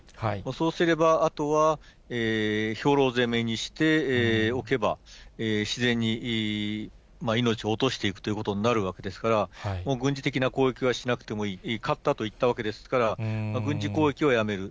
そうすればあとは兵糧攻めにしておけば、自然に命を落としていくということになるわけですから、軍事的な攻撃はしなくてもいい、勝ったと言ったわけですから、軍事攻撃をやめる。